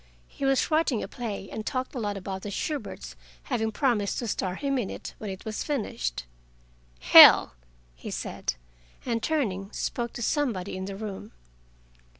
He was writing a play, and talked a lot about the Shuberts having promised to star him in it when it was finished. "Hell!" he said, and turning, spoke to somebody in the room.